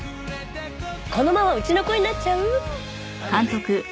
このままうちの子になっちゃう？